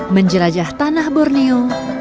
menjelajah tanah borneo